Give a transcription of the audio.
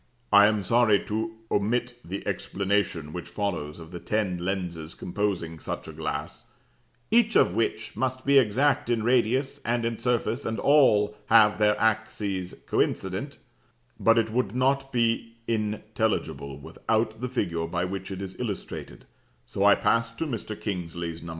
"I am sorry to omit the explanation which follows of the ten lenses composing such a glass, 'each of which must be exact in radius and in surface, and all have their axes coincident:' but it would not be intelligible without the figure by which it is illustrated; so I pass to Mr. Kingsley's No.